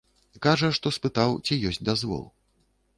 Кажа, што спытаў, ці ёсць дазвол.